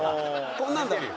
こんなんだもん。